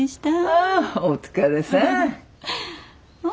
ああお疲れさん。